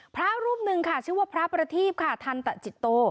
พระรูปหนึ่งค่ะชื่อว่าพระประทีพค่ะทันตะจิตโต